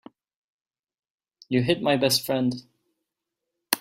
You hit my best friend.